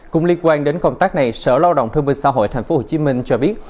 cùng liên quan đến công tác này sở lao động thương minh xã hội tp hcm cho biết